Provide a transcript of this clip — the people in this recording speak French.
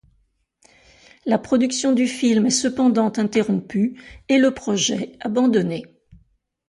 La production du film est cependant interrompue, et le projet abandonné.